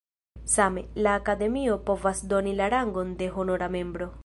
Same, la Akademio povas doni la rangon de honora membro.